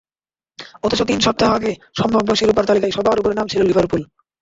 অথচ তিন সপ্তাহ আগেও সম্ভাব্য শিরোপার তালিকায় সবার ওপরে নাম ছিল লিভারপুল।